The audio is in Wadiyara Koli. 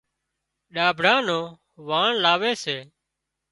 ڏاڀڙا نُون واڻ لاوي سي